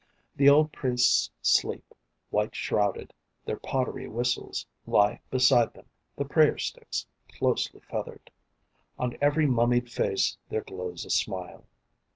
The old priests sleep, white shrouded, Their pottery whistles lie beside them, the prayer sticks closely feathered; On every mummied face there glows a smile.